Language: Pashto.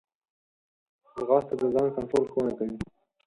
ځغاسته د ځان کنټرول ښوونه کوي